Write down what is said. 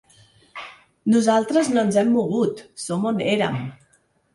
Nosaltres no ens hem mogut, som on érem.